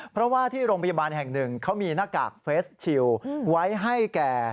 เพราะว่าที่โรงพยาบาลแห่งหนึ่งเขามีหน้ากากเฟสชิลไว้ให้แก่